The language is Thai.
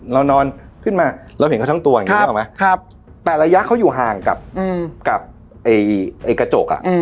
เรานอนขึ้นมาเราเห็นเขาทั้งตัวแต่ระยะเขาอยู่ห่างกับกระจก